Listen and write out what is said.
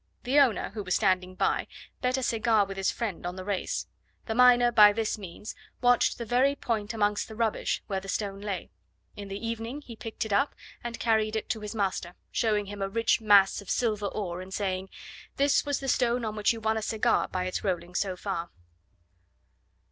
The owner, who was standing by, bet a cigar with his friend on the race. The miner by this means watched the very point amongst the rubbish where the stone lay. In the evening he picked it up and carried it to his master, showing him a rich mass of silver ore, and saying, "This was the stone on which you won a cigar by its rolling so far."